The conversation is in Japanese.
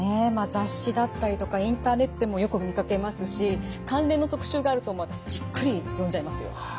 雑誌だったりとかインターネットでもよく見かけますし関連の特集があるともう私じっくり読んじゃいますよ。